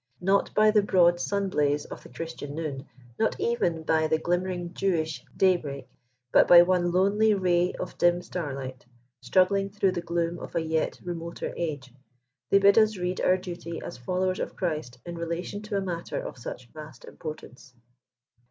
Not by the broad sun blaze of the Christian noon, not even by the glimmering Jewish '* day break," but by one lonely ray of dim starlight, struggling through the gloom of a yet remoter age, they bid us read our duty as followers of Christ, in relation to a matter of such vast importance.